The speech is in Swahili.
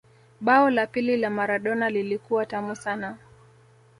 bao la pili la Maradona lilikuwa tamu sana